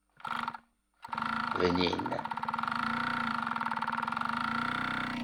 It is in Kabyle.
Bnin.